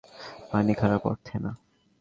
মানে খারাপ অর্থে না।